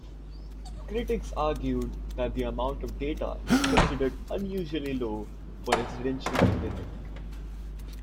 Critics argued that the amount of data was considered unusually low for residential internet.